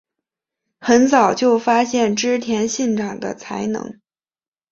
很早就发现织田信长的才能。